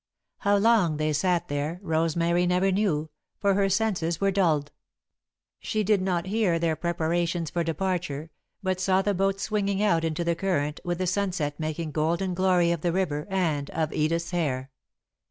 How long they sat there, Rosemary never knew, for her senses were dulled. She did not hear their preparations for departure, but saw the boat swinging out into the current, with the sunset making golden glory of the river and of Edith's hair.